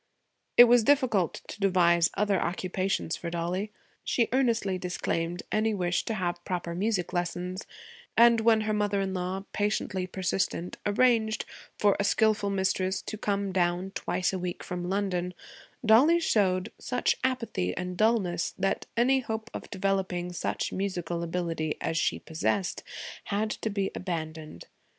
It was difficult to devise other occupations for Dollie. She earnestly disclaimed any wish to have proper music lessons; and when her mother in law, patiently persistent, arranged for a skillful mistress to come down twice a week from London, Dollie showed such apathy and dullness that any hope of developing such musical ability as she possessed had to be abandoned.